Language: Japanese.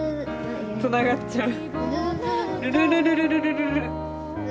つながっちゃう。